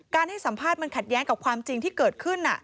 ให้สัมภาษณ์มันขัดแย้งกับความจริงที่เกิดขึ้น